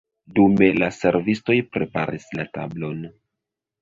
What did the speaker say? Dume la servistoj preparis la tablon.